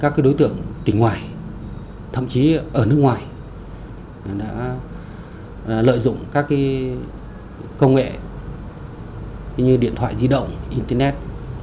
các đối tượng tỉnh ngoài thậm chí ở nước ngoài đã lợi dụng các công nghệ như điện thoại di động internet